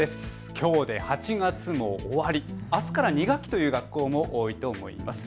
きょうで８月も終わり、あすから２学期という学校も多いと思います。